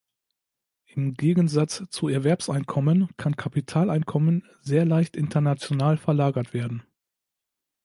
Im Gegensatz zu Erwerbseinkommen kann Kapitaleinkommen sehr leicht international verlagert werden.